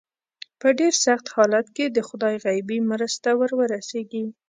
په ډېر سخت حالت کې د خدای غیبي مرسته ور ورسېږي.